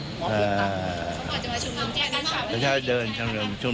พระเจ้าจะมาชุมนุมแจ้งการข่าวไว้ดีกันไหม